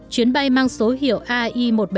chuyến bay mang số hiệu ai một trăm bảy mươi